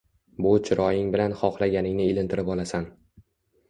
Bu chiroying bilan xohlaganingni ilintirib olasan